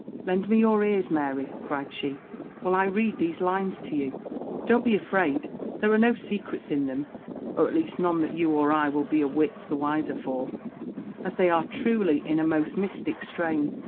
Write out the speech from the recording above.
"Lend me your ears, Mary," cried she, "while I read these lines to you. Don't be afraid, there are no secrets in them, or at least none that you or I will be a whit the wiser for, as they are truly in a most mystic strain.